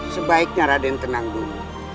sebaiknya raden tenang dulu